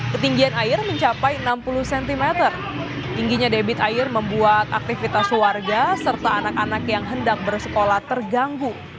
ketinggian air mencapai enam puluh cm tingginya debit air membuat aktivitas warga serta anak anak yang hendak bersekolah terganggu